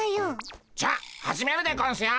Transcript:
じゃあ始めるでゴンスよ！